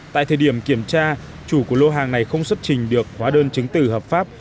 tại thời điểm kiểm tra chủ của lô hàng này không xuất trình được hóa đơn chứng tử hợp pháp